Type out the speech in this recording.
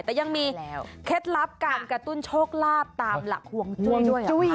แต่ยังมีเคล็ดลับการกระตุ้นโชคลาภตามหลักห่วงจุ้ยด้วย